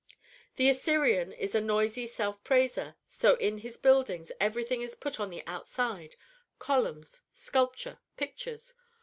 "The Assyrian is a noisy self praiser, so in his buildings everything is put on the outside: columns, sculpture, pictures.